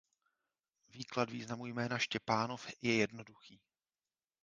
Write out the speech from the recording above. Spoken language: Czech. Výklad významu jména Štěpánov je jednoduchý.